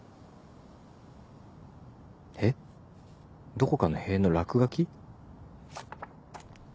どこかの塀の落書き？